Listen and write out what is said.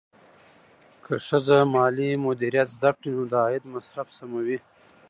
که ښځه مالي مدیریت زده کړي، نو د عاید مصرف سموي.